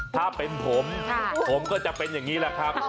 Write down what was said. ถ้าเป็นผมผมก็จะเป็นอย่างนี้แหละครับ